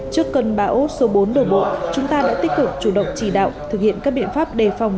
trước cơn bão số bốn đổ bộ chúng ta đã tích cực chủ động chỉ đạo thực hiện các biện pháp đề phòng